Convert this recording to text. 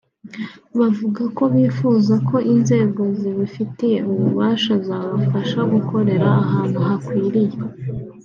Bavuga ko bifuza ko inzego zibifitiye ububasha zabafasha gukorera ahantu hakwiriye